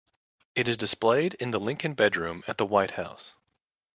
It is displayed in the Lincoln Bedroom at the White House.